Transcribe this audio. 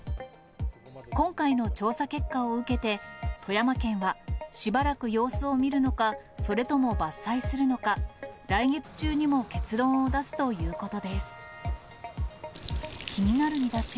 今回の調査結果を受けて、富山県は、しばらく様子を見るのか、それとも伐採するのか、来月中にも結論を出すということです。